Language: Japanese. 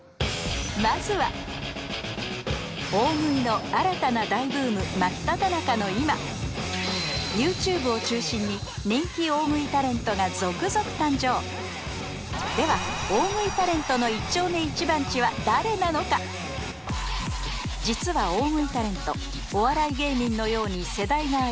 まずは大食いの新たな大ブーム真っただ中の今ＹｏｕＴｕｂｅを中心に人気大食いタレントが続々誕生では実は大食いタレントお笑い芸人のように世代があり